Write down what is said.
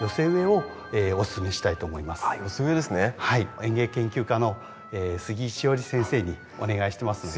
園芸研究家の杉井志織先生にお願いしてますので。